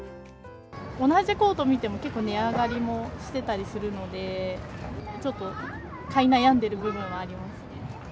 同じコート見ても、結構値上がりもしてたりするので、ちょっと買い悩んでいる部分はありますね。